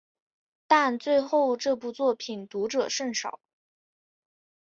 但最后这部作品读者甚少。